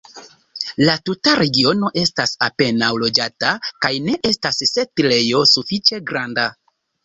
La tuta regiono estas apenaŭ loĝata kaj ne estas setlejo sufiĉe granda.